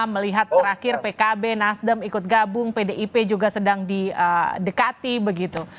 melihat terakhir pkb nasdem ikut gabung pdip juga sedang didekati begitu